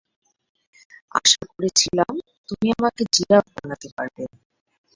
আশা করেছিলাম তুমি আমাকে জিরাফ বানাতে পারবে।